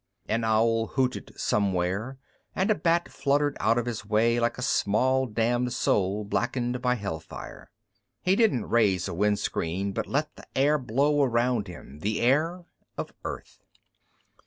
An owl hooted somewhere, and a bat fluttered out of his way like a small damned soul blackened by hellfire. He didn't raise a wind screen, but let the air blow around him, the air of Earth.